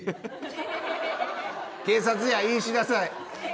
警察や、いーしなさい。